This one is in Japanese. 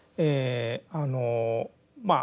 あのまあ